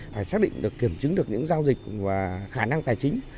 phải xác định được kiểm chứng được những giao dịch và khả năng tài chính